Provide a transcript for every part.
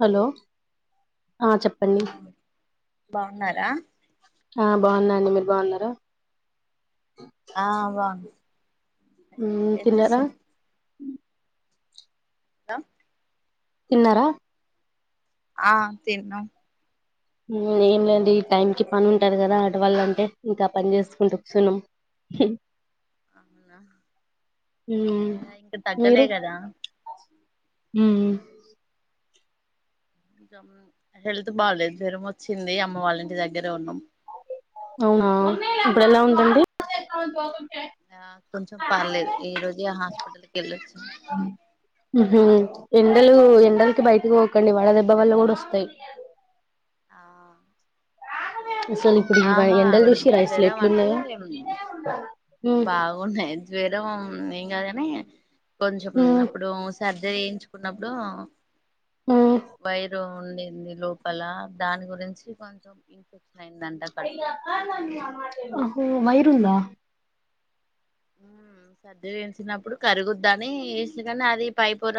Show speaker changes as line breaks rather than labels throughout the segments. Hello ఆ చెప్పండి
బావున్నార
ఆ బాగున్నాండి మీరు బాగున్నారా
ఆ వా
ఉమ్ తిన్నారా
అ
తిన్నారా
ఆ తిన్నాం
ఏం లేదు ఈ టైం కి పని ఉంటారు కదా ఆటువాళ్ళ అంటే ఇంకా పని చేసుకుంటూ కూసోనమ్
అవునా
మ్మ్,
ఇంక తగ్గలే కదా
ఉమ్
ఇంకా ఉమ్ హెల్త్ బాలేదు జ్వరం వచ్చింది అమ్మ వాళ్ళ ఇంటి దగ్గరే ఉన్నాం
అవునా ఇప్పుడు ఎలా ఉందండి
ఆ కొంచెం పర్లేదు ఈ రోజు ఆ హాస్పిటల్కి వెళ్లొచ్చాం
ఉమ్మ్ హు ఎండలు ఎండలకి బయటకి పోకండి వడ దెబ్బ వల్ల కూడా వస్తాయి
ఆ
అసలు ఇప్పుడు ఈ
ఆహా
ఎండలు
ఆవిడ
చూసిరా
జ్వరం అంటే
ఎట్లున్నాయో మ్మ్,
బాగున్నాయి జ్వరం ఇంకా దనే కొంచం
మ్మ్,
అప్పుడు సర్ జ వయించుకున్నప్పుడు
మ్మ్.
వైరు ఉండింది లోపల దాని గురించి కొంచెం ఇన్ఫెక్షన్ అయిందంట కడుపులో
[unintelligible] [unintelligible]
ఉ సర్ది చెంచినప్పుడు కరిగుద్ద అని వేస్తే కాని అది పై పొర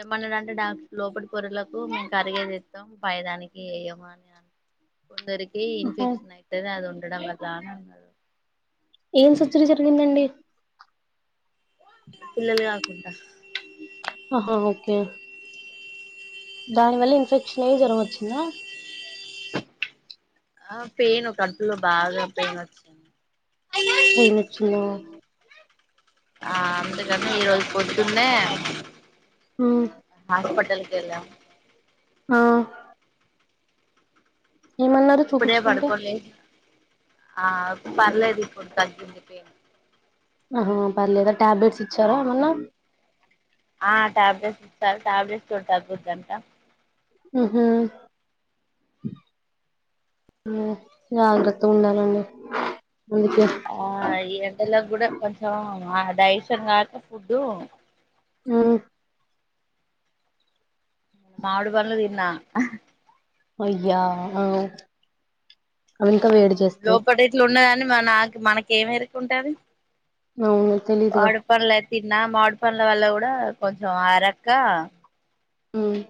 ఏమన్నాడంటే డాక్టర్ లోపలి పొరలకు మేము కరిగేది ఎత్తం పైదానికి వేయము. అని అ కొంతరీకి ఇన్ఫెక్షన్ ఆయితది అది ఉండడం వల్ల ఆని అన్నాడు
ఏం జరిగిందండి
పిల్లలు కాకుండా
ఆహా ఓకే దాని వల్ల ఇన్ఫెక్షన్ అయి జ్వరం వోచ్చిందా
ఆ పెయిన్ కడుపులో బాగా పెయిన్ వచ్చింది
పైనొచ్చింద
ఆ అందుకని ఈరోజు పొద్దున్నే
మ్మ్
హాస్పిటల్ ఏళ్ళం
ఆ ఏమన్నారు
ఇప్పుడే
చూపీచ్చుకుంటే
పడుకొని లేసిన ఆ పర్లేదిప్పుడు తగ్గింది పెయిన్
ఆహా పర్లేదా ట్యాబ్లెట్స్ ఇచ్చారా ఏమన్నా
ఆ ట్యాబ్లెట్స్ ఇచ్చరు టాబ్లెట్స్ తో తగ్గుదంట
హ్ హ్ జాగ్రత్తగ ఉండాలండి అందుకే
ఆ ఈ ఎండలో కూడా కొంచెం ఆ డిజెషన్ కాక ఫుడ్డు
హ్
మావిడి పండ్లు తిన్న
అయ్యా ఆ
ఆ
అవింకా వేడి చేస్తాయి
లోపట [unintelligible] నాకు మనకి ఏమి ఎరుకుంటది
అవును తెలీదుగా
తిన్నా మాడి పండ్ల వల్ల కూడా కొంచెం అరక్క
హ్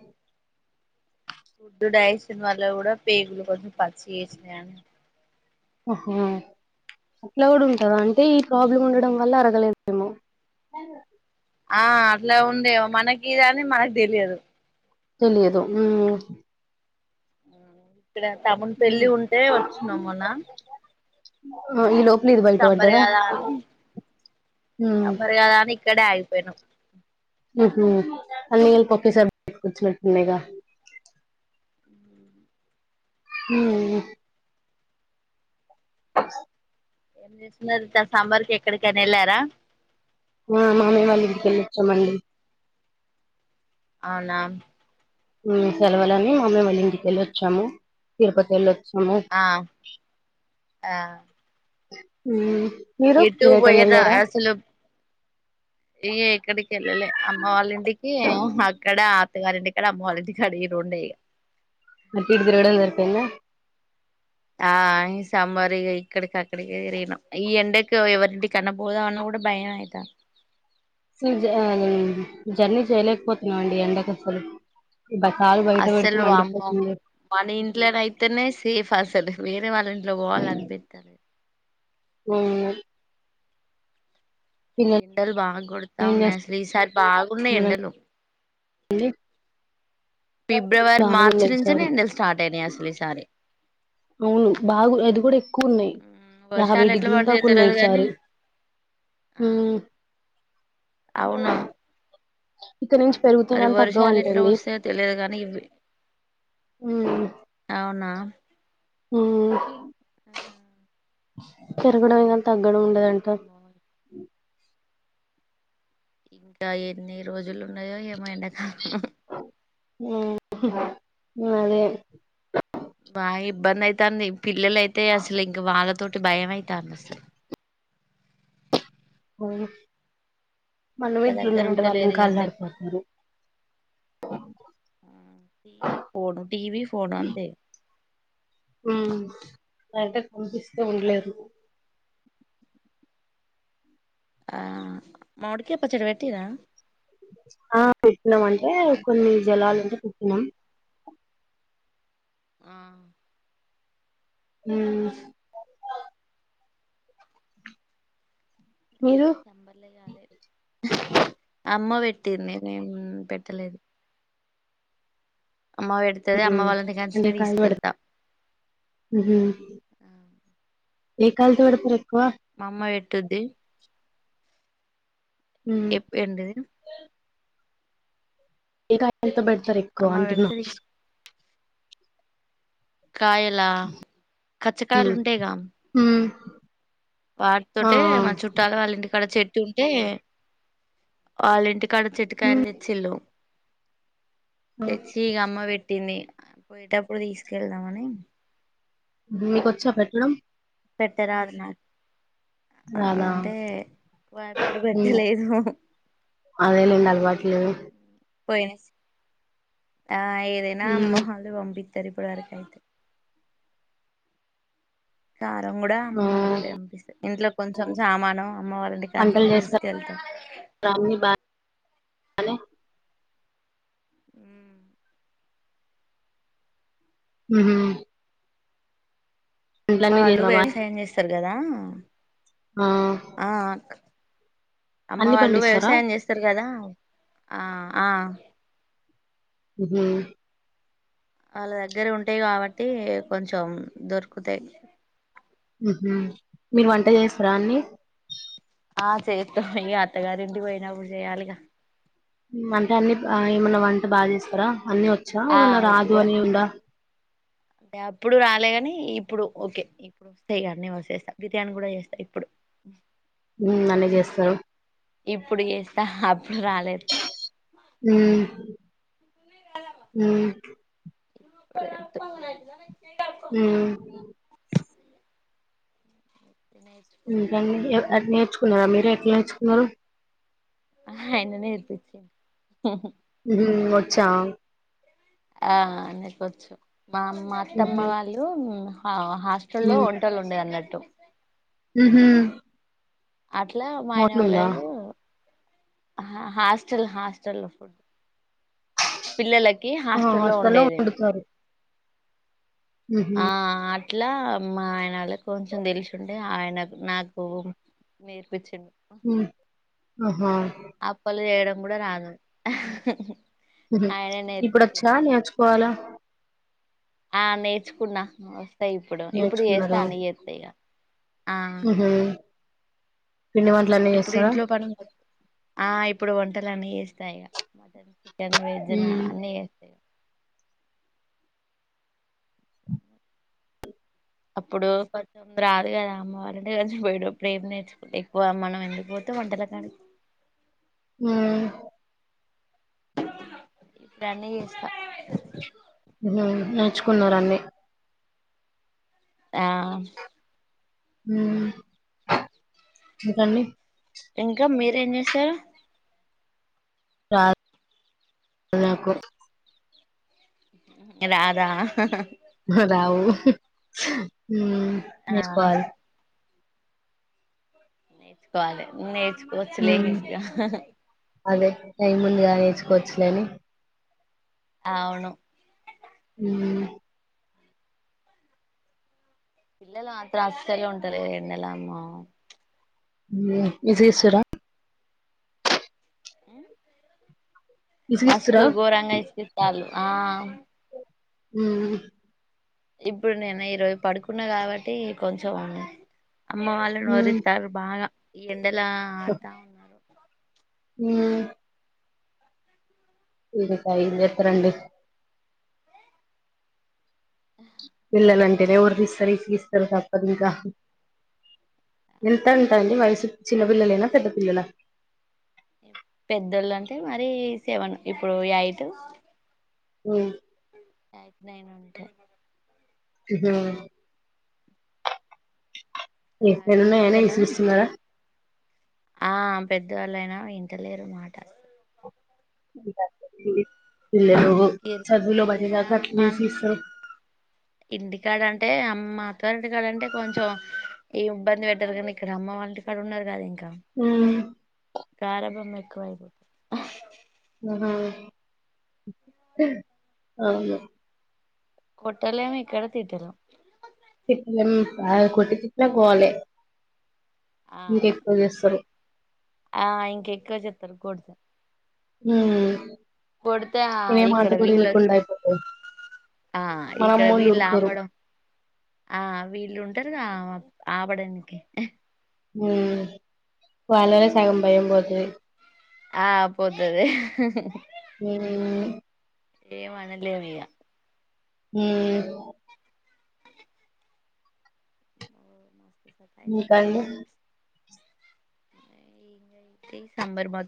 ఫుడ్డు డైజెషన్ వల్ల కూడా పేగులు కొంచెం పచ్చి చేసినయి ఆన్
ఆహా అట్లా కూడా ఉంటందా అంటే ఈ ప్రాబ్లం ఉండడం వల్ల అరగలేదేమో
ఆ అట్లా ఉందేమో మనకి ఇదని మనకు తెలియదు
తెలియదు ఉ
హ్ పిలగాడు పాపం పెళ్ళి ఉంటే వోచ్చినన్నాము మొన్న
ఇ లోప్
సమ్మర్ కాదా అని
మ్మ్
సమ్మర్ కాదా అని ఇ క్కడే అయిపోయినాం
హ్ హ్ అన్ని కలిపి ఒకేసారి [unintelligible] వచ్చినట్టు ఉన్నాయిగా హ్ అ
ఏం చేస్తున్నారు ఈ సారి సమ్మర్ కి ఎక్కడికైనా వెళ్ళారా
ఆ మామయ్య వాళ్ళింటికి వెళ్ళోచామండి
అవునా
హు సెలవులని మామయ్య వాళ్లింటికి ఎల్లోచ్చాము తిరుపతి ఎల్లో
ఆ ఆ
హు
ఎటు పోయేదా అసలు ఏ ఎక్కడికెళ్ళలే అమ్మ వాళ్ళ ఇంటికి ఆహ్ అక్కడ అత్తగారింటికడా అమ్మవాళ్ల ఇంటికాడ ఈ రెండే ఇగ
అటుఇటు తిరగడం సరిపోయిందా
ఆ ఈ సమ్మర్ ఇగ ఇక్కడికి అక్కడికి తిరిగినం ఈ ఎండకు ఎవరింటి కన్న పోదాం అన్న కూడా భయం అయితంది
స ఆ జర్నీ చేయలేకపోతున్నాం అండి ఎండకు అసలు బ- కాలు బయట పెడితే
అసలు వామ్మో
మండిపోతుంది
మన ఇంట్లనయితేనే సేఫ్ అసలు వేరే వాళ్ళ ఇంట్లో పోవలి అనిపితలే
హు
ఎండలు బాగా
ఏం
కొడతాఉన్నాయి అసలు ఈసారి బాగున్నాయి ఎండలు
ఏ [unintelligible]
ఫిబ్రవరి మార్చి నుంచినే
ఈసారి
ఎండలు స్టార్ట్ అయినయి అసలు ఈసారి
అవును బాగు అది కూడా ఎక్కువ ఉన్నాయి
మ్మ్
యాభై
వర్షాలు ఎట్లా
డిగ్రీల
పడతాయో
దాకా ఉన్నాయి
తెలియదు గాని
సారి
ఆ
హూ
అవును
[inaudible]
మరి వర్షాలు ఎట్లా వస్తాయో తెలియదు కానీ ఇవి అవునా
హూ
ఆ
పెరగడమే కానీ తగ్ గ్గడం ఉండదంట
అమ్మో, ఇంకా ఎన్ని రోజులు ఉన్నయో ఏమో ఎండకాలం
ఉమ్ అదే
బా ఇబ్బందయితాంది పిల్లల అయితే అసలు ఇంకా వాళ్ళతో భయమయి తాంద అసల్
అవును మనమే
ఒక దగ్గర
ఇంట్లున్నామంటే వాళ్ళు
ఉంటలేరు
ఇంకా
ఈ ఎండకు
అల్లాడిపోతారు
ఆ, టీవీ ఫోను టీవీ ఫోను అంతే
ఉమ్ నాట కంపిస్త ఉండలేరు
ఆ మామిడికాయ పచ్చడ పెట్టిర్రా
ఆ పెట్నం అంటే కొన్ని జలాలుంటే పెట్టిన
ఆ
ఉమ్ మీరు
అమ్మ పె ట్టింది నేన్ పెట్టలేదు అమ్మ పెడుతది
ఉహూ
అమ్మ వాళ్ళ
అంటే
ఇంటికాంచనే
కాయ
తీసుకెళ్తా
ఉహూ ఏ కాలు తడప
మామ్మ పెట్ టుద్ది
ఉమ్
ఎప్పు ఏంటిది
ఏ కాయతో బడ్ సరి
అమ్మ
ఎక్కువంటున్నా
పెడితే తీసు కాయలా కచ్చకాయలు
ఉమ్
ఉంటాయిగా
ఉమ్ ఆ
వాటితోటే మా చుట్టాల వాళ్ళ ఇంటికాడ చెట్ ట్టుంటే వాళ్ళ ఇంటి కడ చెట్టు కాయలు తెచ్చిల్లు తెచ్చీ ఇగ అమ్మ పెట్ పట్టింది పోయేటప్పుడు తీసుకెళ్దాంమని
మి కొచ్చా పెట్టడం
పెట్ట రాదన్నారు
రాదా
ఎప్పుడు
మ్మ్
పెట్టలేదు
అదేలేండి అలవాట్లు
పోయినిస్ ఆ ఏదైనా
ఉమ్
అమ్మ మళ్ళీ పంపిత్ తరిపుడాకాయితే కారం కూడా
ఆ
అమ్మ పంపిస్తాంది ఇంట్లో కొంచెం సామానం అమ్మ వాళ్ళ ఇంటికాడి
వంటలు
నుండే
చేస్తారా
తీసుకెళ్తాం
అన్ని బాగా [inaudible]
మ్మ్
హ్మ్ హు
అమ్మ వాళ్ళు
బాయ్
వ్యవసాయం చేస్తారు కదా
ఆ
ఆ అమ్మ
అన్ని
వాళ్ళు
పండిస్తారా
వ్యవసాయం చేస్తారు కదా ఆ ఆ
హ్మ్
వాళ్ళ దగ్గర ఉంటాయి కాబట్టి కొంచెం దొరుకుతాయ్
హ్మ్ హు మీరు వంట చేస్తారా అన్ని
ఆ చేస్తా ఇ అత్తగారింటికి పోయినప్పుడు చెయాలిగా
వంట అన్ని ఏమన్నా వంట బాచేస్తారా అన్ని వచ్చా ఏమన్నా రాదు అని ఉంద
టే అప్పుడు రాలేగాని ఇప్పుడు ఓకే ఇప్పుడు వస్తాయి కానీ వసేస్తా బిర్యానీ కూడా చేస్తా ఇప్పుడు
హ్మ్ అన్ని చేస్తారు
ఇప్పుడు చేస్తా అప్పుడు రాలేదు
హ్మ్ హ్మ్ హ్మ్
నేర్చుకున్నా
ఇంకా అండి నేర్చుకున్నారా మీరు ఎట్లా నేర్చుకున్నారు
అయన నేర్పిచ్చ
హ్మ్ వచ్చా
ఆ అనుకోచ్చు మా అమ్మ అత్తమ్మ
ఉహు
వాళ్ళు అ హాస్టల్లో వొంటలు వొండేవి అన్నట్ టు
హ్మ్ హు
అట్లా మా ఆయన వాళగు హా హాస్టల్ హాస్టల్ ఫుడ్ పిల్లల
ఆ హాస్టల్లో వండుతారు హ్మ్ హు
ఆ అట్లా మా ఆయన వాళ్ళ కొంచెం తెలిసుంటే ఆయన నాకు నేర్పించిం
హ్మ్ ఆ
అప్పులు చేయడం ముడ రాదు
హ్మ్
ఆయన
ఇప్పుడు వచ్చా
నేర్పించిండు
నేర్చుకోవాలా
ఆ నేర్చుకున్నా ఇప్పుడు ఇప్పుడు చేస్తా అన్నీ చేత్తా ఇగ ఆ
హ్మ్ హు పిండి వంటల అన్నీ
ఇప్పుడు
చేస్తారా
ఇంట్లో పని ఆ ఇప్పుడు వంటలు అన్న చేస్తా ఇగా చికెన్ వెజ్ నా
ఉమ్
అన్ని చేస్తా ఇగా అప్పుడు కొంచం రాదు కదా అమ్మ వాళ్ళంటే కొంచము [inaudible] ప్రేమ నేర్చుకుంటే ఎక్కువ మనం ఎందుకు వంటల వంటల కాడికి
ఉ
ఇప్పుడన్నీ చేస్తా
చ్చుకున్నారు అన్ని
ఆ
ఉమ్ ఇంకండి
ఇంకా మీరేం చేస్తారు
రాదు నాకు
రాదా
రావు
ఆ
నేర్చుకోవాల్
నేర్చుకోవాలి నే కోచు లే
ఉమ్
ఇగ
అదే టైం ఉందిగా నేర్చుకోవచ్చు లే అని
అవును
ఉ
పిల్లలు అత్ర అస్సలు ఉంటాలె ఎన్నెలా అమ్మ
విసిగిస్తారా
ఉ మస్తు
విసిగిస్తురా
గోరంగా ఇస్తకితాలు ఆ
ఉ
ఇప్పుడు నేను ఈరోజ పడుకున్నా కాబట్టి కొంచెం అమ్మ వాళ్ళు
ఉమ్
నోరితారు బాగా ఎన్ ఎండల ఆడత ఉన్నారు
ఉ మీరు ఇక ఏం చేత్తరండి పిల్లలన్ టెనే ఓర్లిస్తారు ఇసిగిస్తారు తప్పదు ఇంకా
ఆ
ఎంత అంటాండి వయసు చిన్న పిల్లలేనా పెద్ద పిల్లల
పెద్దోళ్ళు అంటే మరి సెవెన్ ఇప్పుడు ఎయిట్
ఉ
ఎయిట్ట్నైన్ ఉంటయి
ఉహు
ఆ
ఎయిట్ట్నైన్ అయిన
ఎండల
ఇసిగిస్తున్నారా
ఆ పెద్దవాళ్ళయినా ఇంటలేరుమాట
ఇ
ఈడ అమ్మ
అట్లనేసి ఇస్తారు
ఇంటికాడ అంటే అమ్ మాతార్ ఇంటి కండంటె కొంచెం ఈ ఇబ్బంది పెట్టారు కానీ ఇక్కడ అమ్మ వాళ్ళింటి కాడ ఉన్నారు కద ఇం
ఉ
గారభమ్ ఎక్కువై పోతు
అహా అవును
కొట్టలేం ఇక్కడ తిట్టలేం
తిట్టలేం కొట్ తిట్టిన పోవాలే మీరు
ఆ
ఎక్కువ చేస్తారు
ఆ ఇంకెక్కువ చెప్తారు కొడితే
హ్మ్
కొడితే ఆ ఇక్కడ వీళ్ల
అయిపోతారు
ఆ
మన
ఇక్కడ
అమ్మోళ్ళు
వీళ్ళు
ఊరుకోరు
ఆపడం ఆ వీళుంట ఉంటరుగా ఆపడానికి
ఉ పోలల సగం భయం పోతది
ఆ పోతది
ఉమ్
ఏమనలేదు ఇగ
హ్మ్
మస్తు సతాయించింది
మిక అండి
ఇదేంటి సాంబార్ బద్